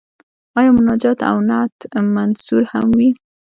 آیا مناجات او نعت منثور هم وي؟